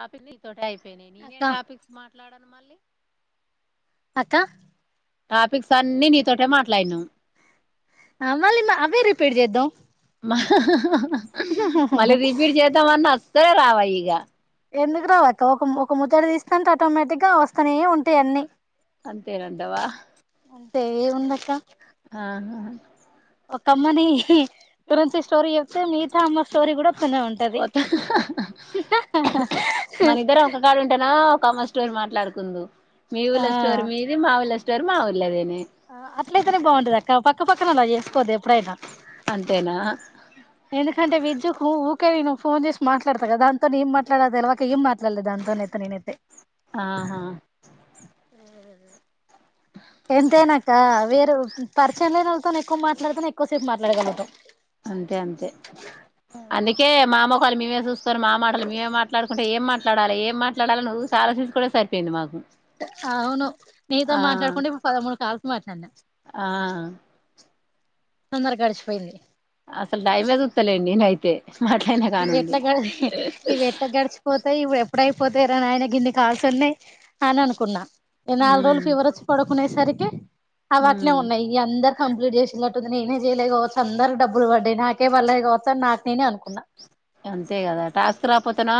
topic నీతోటే అయిపోయినయి అక్క నేనేం టాపిక్స్ మాట్లాడను మళ్ళీ అక్క టాపిక్స్ అన్ని నీతోటే మాట్లాడినాం అమళ్ళి అవే రిపీడ్ చేద్దాం మళ్ళీ రిపీట్ చేద్దాంమన్న అస్సలే రావు ఇగ ఎందుకు రావక్క ఒక ఒక ముచ్చట తీస్తాంటే ఆటోమేటిక్గా వస్తానే ఉంటాయి అన్ని అంతేనంటవా తె గుందక్క ఆహా ఒకమ్మని తిరంచి స్టోరీ చెప్తే మిగతా అమ్మ స్టోరీ కూడా వత్తనే ఉంటది పోత మనిద్దరం ఒక కాడ ఉంటెనా ఒకామె స్టోరి మాట్లాడుకుందు మీ ఆ ఊళ్ళ స్టోరి మీది మా ఊళ్ళ స్టోరి మా ఊళ్ళదేనే ఆ అట్లయితనె బాగుంటది అక్క పక్క పక్కనోళ్లను చేేస్కోద్దు ఎ ప్పుడైనా అంతేనా ఎందుకంటే విజ్జు ఉ-ఊకే నేను ఫోన్ చేసి మాట్లాత కదా దాంతోని ఏం మాట్లాడాలో తెలవక ఏం ట్లలే దాంతో ఐతే నేనైతే ఆహా ఎంతైనాక వేరు పరిచయంలేనొళ్తోని ఎక్కువ మాట్లాడుతనే ఎక్కువసేపు మాట్లాడగలగుతం అంతే అంతే వాళ్ళు మేమే చూస్తరు మా మాటలు మేమే మాట్లాడుకుం టె ఏం మాట్లాడాల ఏం మాట్లాడాలని ఉకే ఆలోచించుకోవుడే సరిపోయింది మాకు అవును నీతో ఆ మాట్లాడుకుంట ఇప్పుడు పదమూడు కాల్స్ మాట్లాడిన ఆ తొందరగడిచిపోయింది అసలు టైమే చుస్తలేను నేనయితే అసలు ఇవి ఎట్ల గడి ఇవి ఎట్ల గడిచిపోతాయి ఇవి ఎప్పుడయిపోతయిరనాయిన ఆయన గిన్ని కాల్స్ ఉన్నాయి అని అనుకున్నా ఈ నాలుగు రోజులు ఉమ్ ఫీవర్ వచ్చి పడు కునేసరికి అవి అట్లే ఉమ్ ఉన్నాయి ఈ అందరు కంప్లీట్ చేసిల నేనే చేయలేదు కావచ్చు అందరికి డబ్బులు పడ్డయి నాకే పళ్లే కావచ్చు అని నాకు నేనే అనుకున్నా అంతే కదా టాస్క్ రాపోతేనా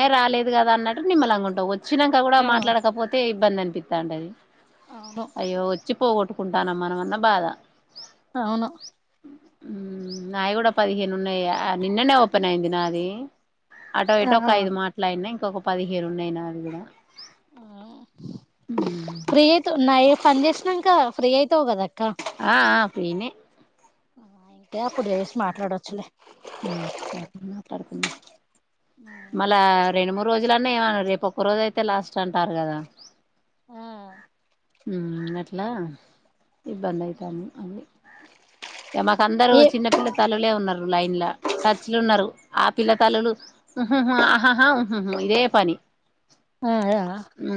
ఏ రాలేదు కదా అన్నట్టు నిమ్మలంగ ఉంటవు వచ్చినంక కూడా ఆ మాట్లాడకపోతే ఇబ్బంది అనిపిస్తాంటది అవును అయ్యో వచ్చి పోగొట్టుకుంటానమనమన్నా బాధ అవును ఊ నాయి కూడా పదిహేను ఉన్నాయి ఆ నిన్ననే ఓపెన్ అయింది నాది అటో ఆ ఇటో ఒక ఐదు మాట్లయినయ్ ఇంకొక పదిహేను ఉన్నయి నావి కూడా ఆ ఉమ్ ఫ్రీ అయితు న ఏ పనిజేసినంక ఫ్రీ అయితవు గదా ఆ ఆ ఫ్రీనే ఇంకే అప్పుడు జెసి మాట్లాడొచ్చులే మళ్ళా రెండు మూరు రోజులన్న ఏమన్నరు రేపు ఒక్క రోజు అయితే లాస్ట్ అంటారు కదా ఆ ఊ అట్లా ఇబ్బంది ఐతాంది అన్ని ఇగ మాకు అందరు ఏ చిన్నపిల్ల తల్లులే ఉన్నరు ఇండ్ల టచ్లున్నారు ఆ పిల్లతల్లులు హు హు ఆ హా హా ఉ హు ఇదే పని ఆ ఊ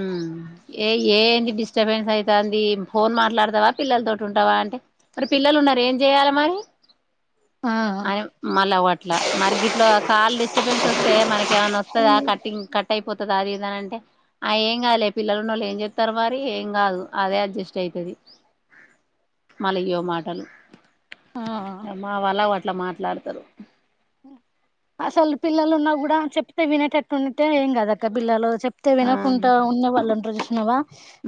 ఏ ఏంటి డిస్టర్బెన్స్ అయితాంది ఫోన్ మాట్లాడతావా పిల్లల తోటి ఉంటావా అంటే మరి పిల్లలు న్నరు ఏం చెయ్యాలే మరి ఆ అని మళ్ళ అవ్వట్లా మరి గిట్ల కాల్ డిస్టర్బెన్స్ వస్తే మనక ఏమన్నా వస్తదా కట్టింగ్ కట్ అయి అయిపోతది అది ఈధాన అంటే ఆ ఏం కాదులే పిల్లలు ఉన్నోళ్లు ఏం చెతారు మరి ఏం కాదు అదే అడ్జస్ట్ అయితది మళ్ళ ఇయ్యో మాటలు ఆ మా వాళ్ళ అట్లా మాట్లాడతరు అసలు పిల్లలు ఉన్నా కూడా చెప్తే వినేటట్టు ఉంటే ఏం కాదక్క పిల్లలు చెప్తే ఆ వినకుండా ఉన్న వాళ్ళంటరు చూసినవా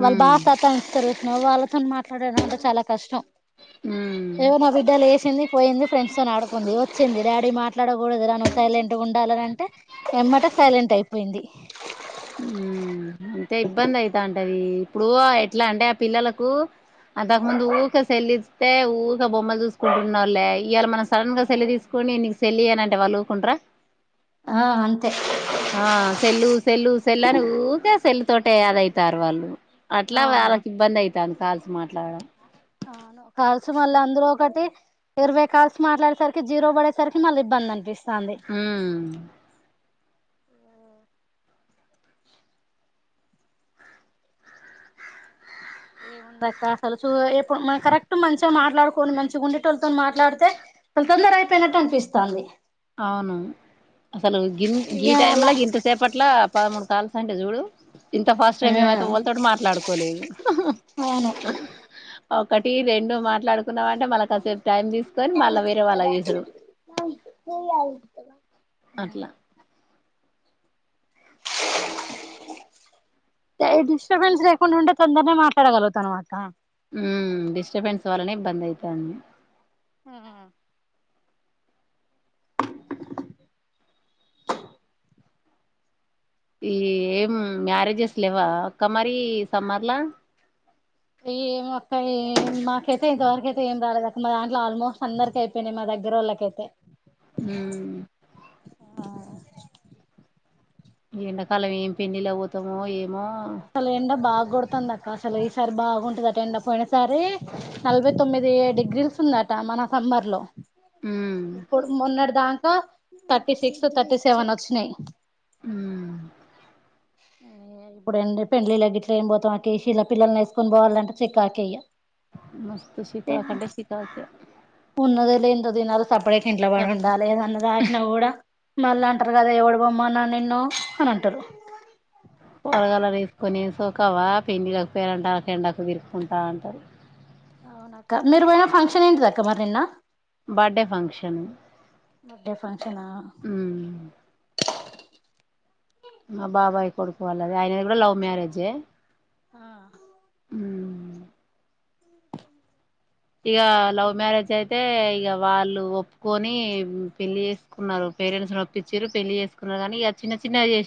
వాళ్ళు బా ఉమ్ సతా ఇంచుతరు నువ్వు వాళ్ళతోని మాట్లాడాలంటే చాలా కష్టం ఉమ్ ఇగో నా బిడ్డ లేచింది పోయింది ఫ్రెండ్స్ తోని ఆడుకుంది వచ్చింది డాడీ మాట్లాడకూడదు రా నువు సైలెంట్గా ఉండాలని అని అంటే ఎమ్మటే సైలెంట్ అయిపోయింది ఊ అంతే ఇబ్బంది అయితంటది ఇప్పుడు ఎట్లా అంటే ఆ పిల్లలకు అంతకు ముందు ఊకె సేల్లి ఇస్తే ఊకె బొమ్మలు చూసుకుంటున్నోలే ఇయాళ మనం సడన్ గా సెల్లు తీసుకుంటే ఇపుడు నేన్ నీకు సెల్లియనంటే వాళ్ళుకుంట్ర ఆ అంతే ఆ సెల్లు సెల్లు సెల్లు అని ఊకే సెల్ తోటె అదయితరు వాళ్ళు అట్లా ఆ వాళ్ళకి ఇబ్బంది ఐతంది కాల్స్ మాట్లాడడం అవును కాల్స్ మళ్ళ అందులో ఒకటి ఇరవై కాల్స్ మాట్లాడేసరికి జీరో పడేసరికి మళ్ళీ ఇబ్బంది అనిపిస్తుంది ఊ ఏ ఉందక్క అసలు చూ ఎప్పుడు మ కరెక్ట్ మంచిగా మా మాట్లాడుకొని మంచి గుండెటోళ్ళతో మాట్లాడితే మల్ తొందర అయిపోయినట్టు అనిపిస్తది అవును అసలు గిం గీ టైమ్ ల గింత ఇంతసేపట్ల పదమూడు కాల్స్ అంటే చూడు ఇంత ఫాస్ట్ గా మేమైతే ఎవల్ తోటి మాట్లాడుకోలేదు అవును ఒకటి రెండు మాట్లాడు కున్నమంటే మళ్ళ కాసేపు టైం తీసుకొని మళ్ళా వేరే వాళ్ళకు చేసుడు అట్లా ఊ ఏ డిస్టర్బెన్స్ లేకుండా ఉంటే తొందరనే మాట్లాడగలతనమాక ఉ డిస్టర్బెన్స్ వలనే ఇబ్బంది ఐతంది ఆ ఈ ఏం మ్యారేజెస్ లేవా అక్క మరి ఈ సమ్మర్లా ఇగ ఏమో అక్క మాకైతే ఇంతవరకయితే ఏం రాలేదు అ మా దాంట్లో ఆల్మోస్ట్ అందరికి అయిపోయి మా దగ్గ ఇద్దరోల్లకైతే ఊ ఆ ఈ ఎండకాలం ఏం పెళ్ళిళ్ళకు పోతామో ఏమో అసలు ఎండ బాగ్ కొడుతాందక్క అసలు ఈసారి బాగుంటది అట ఎండ పోయిన సారి నలభై తొమ్మిది డిగ్రీస్ ఉందట మన సమ్మర్ లో ఉమ్ ఇప్పుడు మొన్నటి దాంకా థర్టీ సిక్స్ థర్టీ సెవెన్ వచ్చినయి ఊమ్ ఇప్పుడు ఏండి పెండ్లిల గిట్ల ఏమ్ బోతాం అక్క ఈ శిన్న పిల్లల్ని ఎసుకొని పోవాలంటే చికాకె ఇగ మస్తు శికాక్ అంటే శికాకే ఉన్నదొ లేందో దీనలే సప్పడేక ఇంట్లో పడుండాలే అన్నదాక నువ్ గుడా మళ్ల అంటరు గదా ఎవడు పొమ్మన్నాడ్ నిన్ను అని అంటరు కూరగాల తీసుకొని సోకావా పెండి పెరంటాలకి ఎండాకు తిరుక్కుంటా ఉంటది అవును అక్క మీరు పోయినా ఫంక్షన్ ఏంటిది అక్క మరి నిన్న బర్డే ఫంక్షన్ బర్త్డే ఫంక్షనా ఉమ్ మా బాబాయ్ కొడుకు వాళ్ళది ఆయనది గుడా లవ్ మ్యారేజె ఆ ఉ ఇగ లవ్ మ్యారేజ్ అయితే ఇగ వాళ్ళు ఒప్పుకొని పెళ్లి చేసుకున్నారు పేరెంట్స్ ని ఒప్పిచ్చిరు పెళ్లి చేసున్నారు గాని ఇగ చిన్న చిన్నగ చేష్